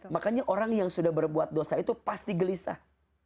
makanya orang yang sudah berbuat dosa itu pasti gelisah